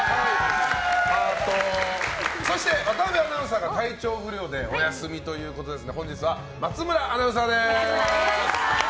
そして、渡邊アナウンサーが体調不良でお休みということで本日は松村アナウンサーです。